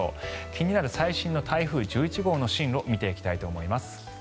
気になる最新の台風１１号の進路を見ていきたいと思います。